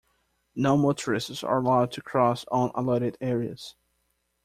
Non-motorists are allowed to cross on allotted areas.